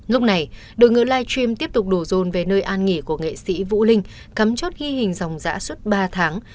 lúc này đội ngữ live stream tiếp tục đổ rồn về nơi an nghỉ của nghệ sĩ vũ linh cắm chốt ghi hình dòng giã suốt ba tháng